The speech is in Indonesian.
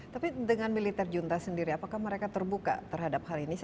tapi dengan militer junta sendiri apakah mereka terbuka terhadap hal ini